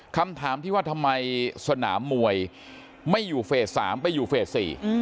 คำถามที่ว่าทำไมสนามมวยไม่อยู่เฟส๓ไปอยู่เฟส๔